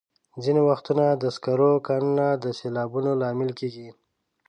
ځینې وختونه د سکرو کانونه د سیلابونو لامل کېږي.